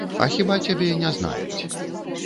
А хіба цябе не знаюць?